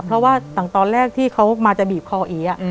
เพราะว่าต่างตอนแรกที่เขามาจะบีบคออี